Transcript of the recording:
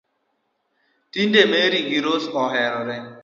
Tinde Mary gi Rose oherore